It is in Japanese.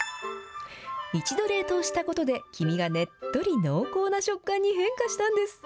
一度冷凍したことで、黄身がねっとり濃厚な食感に変化したんです。